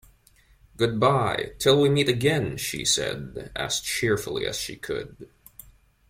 ‘Good-bye, till we meet again!’ she said as cheerfully as she could.